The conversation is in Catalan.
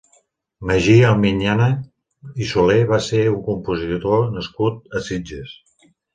Magí Almiñana i Soler va ser un compositor nascut a Sitges.